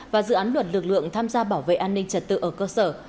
và dự án luật lực lượng tham gia bảo vệ an ninh trật tự ở cơ sở